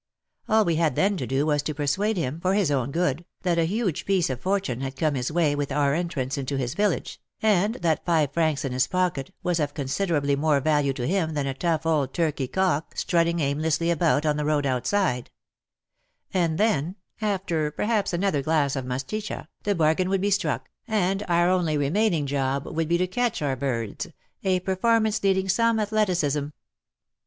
All we had then to do was to persuade him, for his own good, that a huge piece of fortune had come his way with our entrance into his village, and that five francs in his pocket was of considerably more value to him than a tough old turkey cock strutting aimlessly about on the road outside ; and then, after perhaps another i82 WAR AND WOMEN glass of Mastlcha, the bargain would be struck, and our only remaining job would be to catch our birds, a performance needing some athleticism.